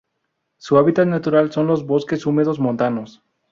Su hábitat natural son los bosques húmedos montanos.